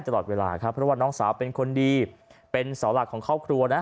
ตลอดเวลาครับเพราะว่าน้องสาวเป็นคนดีเป็นเสาหลักของครอบครัวนะ